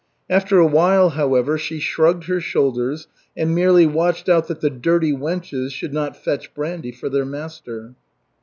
After a while, however, she shrugged her shoulders, and merely watched out that the "dirty wenches" should not fetch brandy for their master.